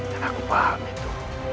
dan aku paham itu